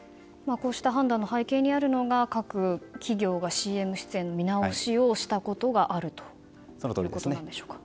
こうした判断の背景にあるのは各企業がＣＭ出演の見直しをしたことがあるそのとおりです。